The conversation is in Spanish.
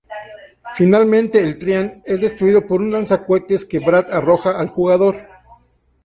Finalmente el Tyrant es destruido por un lanzacohetes que Brad arroja al jugador.